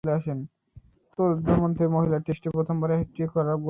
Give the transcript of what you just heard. তন্মধ্যে মহিলাদের টেস্টে প্রথমবারের মতো হ্যাট্রিক করার গৌরব লাভ করেন তিনি।